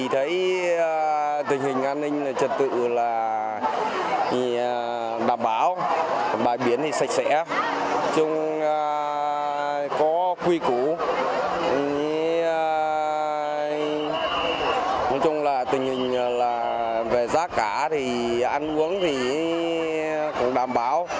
về giá cả thì ăn uống thì còn đảm bảo